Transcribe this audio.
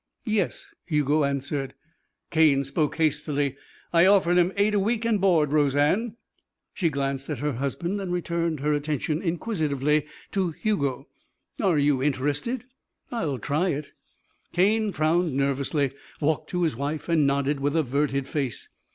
"Yes," Hugo answered. Cane spoke hastily. "I offered him eight a week and board, Roseanne." She glanced at her husband and returned her attention inquisitively to Hugo. "Are you interested?" "I'll try it." Cane frowned nervously, walked to his wife, and nodded with averted face.